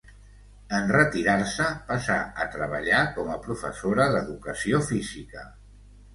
En retirar-se passà a treballar com a professora d'educació física.